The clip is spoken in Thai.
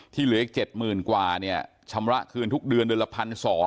เหลืออีก๗๐๐๐กว่าเนี่ยชำระคืนทุกเดือนเดือนละ๑๒๐๐